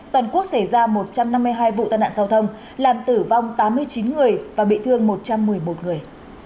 toàn quốc xảy ra một trăm năm mươi hai vụ tai nạn giao thông làm tử vong tám mươi chín người và bị thương một trăm một mươi một người